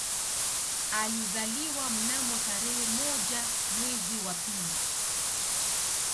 Alizaliwa mnamo tarehe moja mwezi wa pili